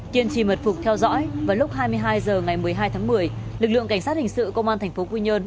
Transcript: kiên trì mật phục theo dõi vào lúc hai mươi hai h ngày một mươi hai tháng một mươi lực lượng cảnh sát hình sự công an thành phố quy nhơn